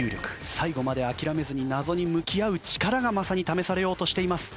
最後まで諦めずに謎に向き合う力がまさに試されようとしています。